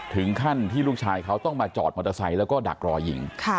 ถึงขั้นที่ลูกชายเขาต้องมาจอดมอเตอร์ไซค์แล้วก็ดักรอยิง